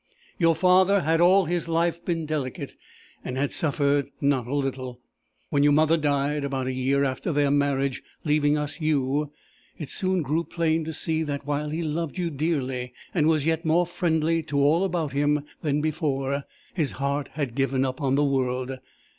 "Your father had all his life been delicate, and had suffered not a little. When your mother died, about a year after their marriage, leaving us you, it soon grew plain to see that, while he loved you dearly, and was yet more friendly to all about him than before, his heart had given up the world.